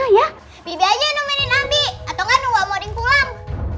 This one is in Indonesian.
tidak mengertikan arabic atau juga tidak mau pulang